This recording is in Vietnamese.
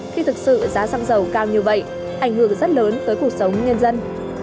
khi thực sự giá xăng dầu cao như vậy ảnh hưởng rất lớn tới cuộc sống nhân dân